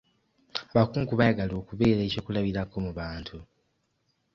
Abakungu baayagala okubeera eky'okulabirako mu bantu.